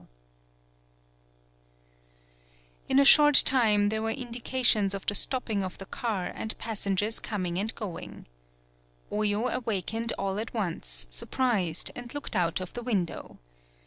80 THE BILL COLLECTING In a short time there were indi cations of the stopping of the car and passengers coming and going, Oyo awakened all at once, surprised, and looked out of the window.